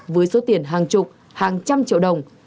với số tiền hàng chục hàng trăm triệu đồng